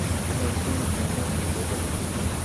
لاسونه خاموشه ژبه ده